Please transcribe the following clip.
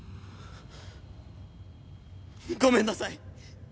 ごめんなさい！